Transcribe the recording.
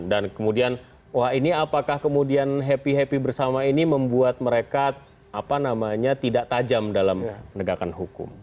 dan kemudian wah ini apakah kemudian happy happy bersama ini membuat mereka tidak tajam dalam penegakan hukum